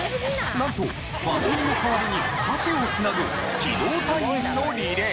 なんとバトンの代わりに盾を繋ぐ機動隊員のリレー。